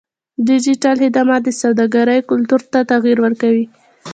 ډیجیټل خدمات د سوداګرۍ کلتور ته تغیر ورکوي.